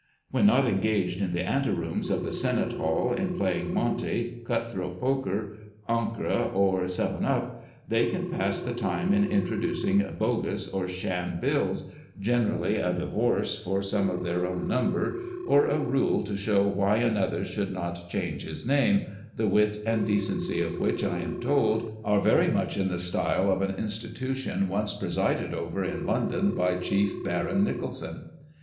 When not engaged in the ante rooms of the senate hall in playing " monte," " cut throat poker," " encre," or " seven up," they can pass the time in introducing "bogus," or sham bills, generally a divorce for some of their own num ber, or a rule to show why another should not change his name, the wit and decency of which, I am told, are very much in the style of an in stitution once presided over in London by Chief Baron Nicholson.